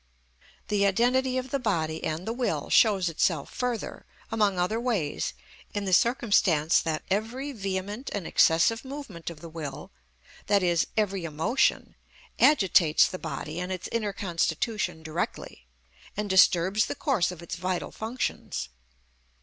The identity of the body and the will shows itself further, among other ways, in the circumstance that every vehement and excessive movement of the will, i.e., every emotion, agitates the body and its inner constitution directly, and disturbs the course of its vital functions.